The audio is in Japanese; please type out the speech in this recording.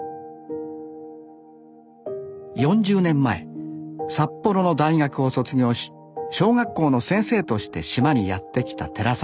４０年前札幌の大学を卒業し小学校の先生として島にやって来た寺沢さん。